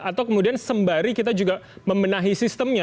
atau kemudian sembari kita juga membenahi sistemnya